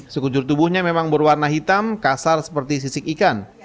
sekujur tubuhnya memang berwarna hitam kasar seperti sisik ikan